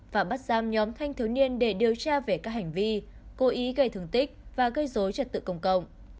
và bắt giam nhóm thanh thiếu niên để điều tra về các hành vi cố ý gây thương tích và gây dối trật tự công cộng